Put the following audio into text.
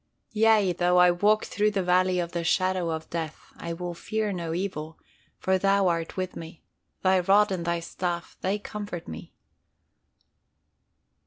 "Yea, though I walk through the valley of the shadow of death, I will fear no evil: for Thou art with me; Thy rod and Thy staff they comfort me."